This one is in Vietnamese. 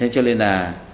cho nên là